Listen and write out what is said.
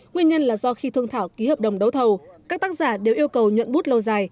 nguyên nhân là do khi thương thảo ký hợp đồng đấu thầu các tác giả đều yêu cầu nhuận bút lâu dài